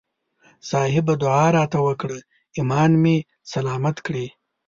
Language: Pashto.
صاحبه دعا راته وکړه ایمان مې سلامت کړي.